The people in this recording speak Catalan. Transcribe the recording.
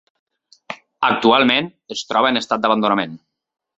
Actualment es troba en estat d'abandonament.